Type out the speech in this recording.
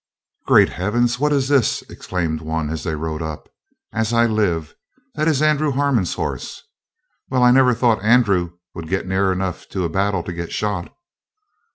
"Great heavens! what is this?" exclaimed one, as they rode up. "As I live, that is Andrew Harmon's horse. Well, I never thought Andrew would get near enough to a battle to get shot."